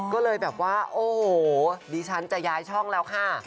ก็เลยแบบว่าโอ้โหดิฉันจะย้ายช่องแล้วค่ะ